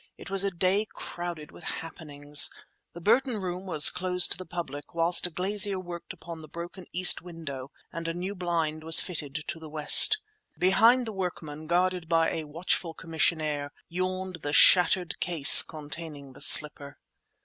It was a day crowded with happenings. The Burton Room was closed to the public, whilst a glazier worked upon the broken east window and a new blind was fitted to the west. Behind the workmen, guarded by a watchful commissionaire, yawned the shattered case containing the slipper.